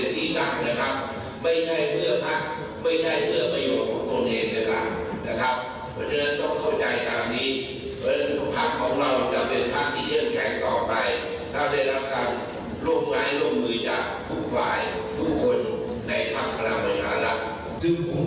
สมัยไม่เรียกหวังผม